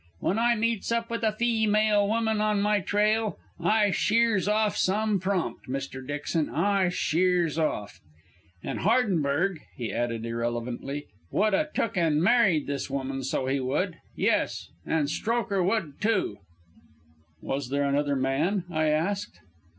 When I meets up with a feemale woman on my trail, I sheers off some prompt, Mr. Dixon; I sheers off. An' Hardenberg," he added irrelevantly, "would a took an' married this woman, so he would. Yes, an' Strokher would, too." "Was there another man?" I asked.